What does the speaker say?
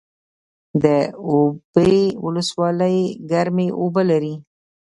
د اوبې ولسوالۍ ګرمې اوبه لري